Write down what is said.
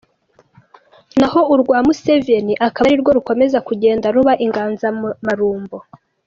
naho urwa Museveni akaba arirwo rukomeza kugenda ruba inganzamarumbo?